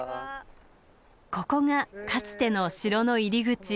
ここがかつての城の入り口。